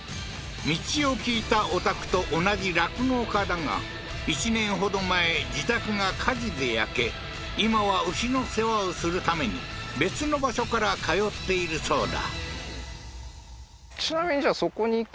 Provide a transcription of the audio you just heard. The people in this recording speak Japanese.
道を聞いたお宅と同じ酪農家だが１年ほど前自宅が火事で焼け今は牛の世話をするために別の場所から通っているそうだ